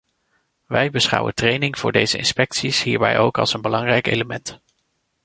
Wij beschouwen training voor deze inspecties hierbij ook als een belangrijk element.